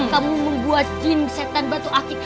kamu membuat gym setan batu akik